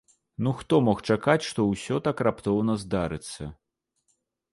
Ну хто мог чакаць, што ўсё так раптоўна здарыцца?